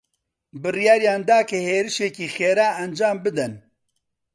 بڕیاریان دا کە هێرشێکی خێرا ئەنجام بدەن.